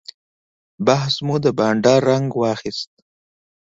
بحث مو د بانډار رنګ واخیست.